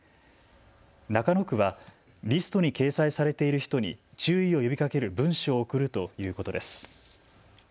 中野区はリストに掲載されている人に注意を呼びかける文書を送るということです。